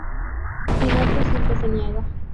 Pinocho siempre se niega.